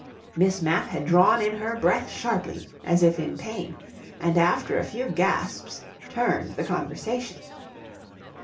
... Miss Mapp had drawn in her breath sharply, as if in pain, and after a few gasps turned the conversation.